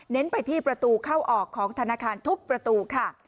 ไปที่ประตูเข้าออกของธนาคารทุกประตูค่ะ